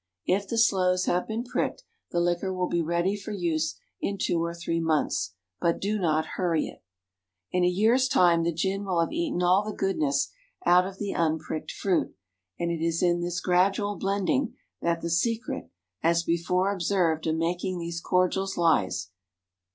If the sloes have been pricked, the liquor will be ready for use in two or three months; but do not hurry it. In a year's time the gin will have eaten all the goodness out of the unpricked fruit, and it is in this gradual blending that the secret (as before observed) of making these cordials lies.